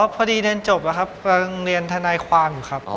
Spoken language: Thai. อ๋อพอดีเรียนจบแล้วครับเพราะกันเรียนทนายความครับ